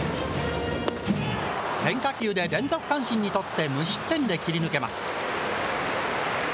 変化球で連続三振にとって、無失点で切り抜けます。